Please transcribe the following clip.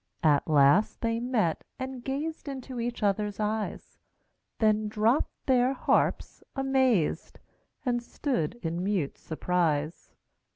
At last they met and gazed Into each other's eyes, Then dropped their harps, amazed, And stood in mute surprise.